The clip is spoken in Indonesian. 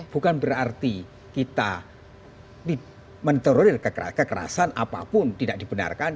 bukan berarti kita menterolir kekerasan apapun tidak dibenarkan